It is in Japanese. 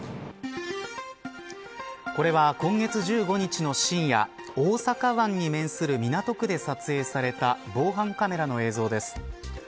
これは今月１５日の深夜大阪湾に面する港区で撮影された防犯カメラの映像です。